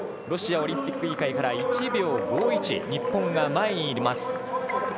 ロシアオリンピック委員会から１秒５１、日本が前にいます。